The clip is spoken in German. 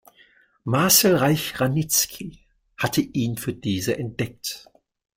Marcel Reich-Ranicki hatte ihn für diese entdeckt.